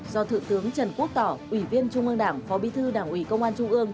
do thượng tướng trần quốc tỏ ủy viên trung ương đảng phó bí thư đảng ủy công an trung ương